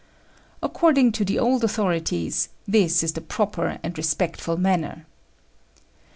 According to the old authorities, this is the proper and respectful manner.